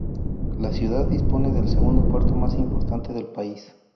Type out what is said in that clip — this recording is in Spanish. La ciudad dispone del segundo puerto más importante del país.